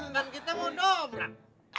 kan kita mau dobrak